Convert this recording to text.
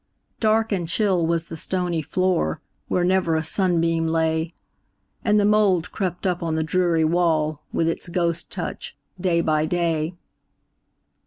Dark and chill was the stony floor, Where never a sunbeam lay, And the mould crept up on the dreary wall, With its ghost touch, day by day.